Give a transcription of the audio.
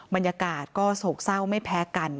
บรรยากาศก็โศกเศร้าไม่แพ้กัน